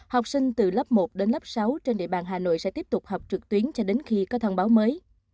học sinh từ lớp một đến lớp sáu trên địa bàn hà nội sẽ tiếp tục học trực tuyến cho đến khi có thông báo mới